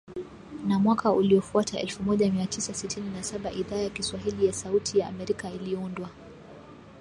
Na mwaka uliofuata elfu moja mia tisa sitini na saba Idhaa ya Kiswahili ya Sauti ya Amerika iliundwa